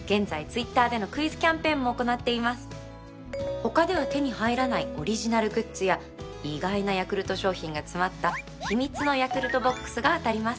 他では手に入らないオリジナルグッズや意外なヤクルト商品が詰まった秘密のヤクルトＢＯＸが当たります。